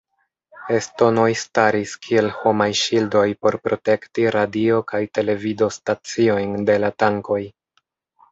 Estonoj staris kiel homaj ŝildoj por protekti radio- kaj televido-staciojn de la tankoj.